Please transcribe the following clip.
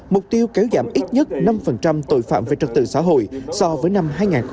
mục tiêu kéo giảm ít nhất năm tội phạm về trật tự xã hội so với năm hai nghìn hai mươi ba